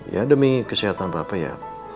ya demi kesehatan bapak ya